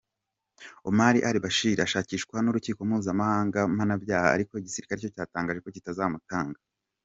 Omar al-Bashir ashakishwa n’urukiko mpuzamahanga mpanabyaha, ariko igisirikare cyo cyatangaje ko kitazamutanga.